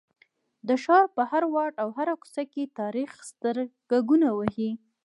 د ښار په هر واټ او هره کوڅه کې تاریخ سترګکونه وهي.